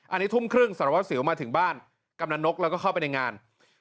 อันนี้ทุ่มครึ่งสารวัสสิวมาถึงบ้านกำลังนกแล้วก็เข้าไปในงาน